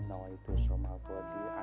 nah waktu sawmah gordinan adaifar di sahri